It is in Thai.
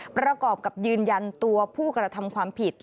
ประกอบกับยืนยันตัวผู้กระทำความผิด